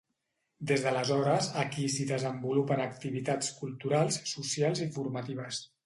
Des d'aleshores, aquí s'hi desenvolupen activitats culturals, socials i formatives.